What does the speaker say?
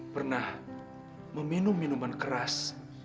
pernah meminum minuman keras